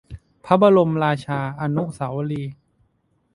พระบรมราชาอนุสาวรีย์